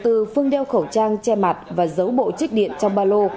từ phương đeo khẩu trang che mặt và giấu bộ trích điện trong ba lô